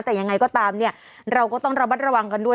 แต่ยังไงก็ตามเนี่ยเราก็ต้องระมัดระวังกันด้วย